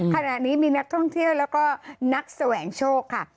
ขณะนี้มีนักท่องเที่ยวแล้วก็นักแสวงโชคค่ะ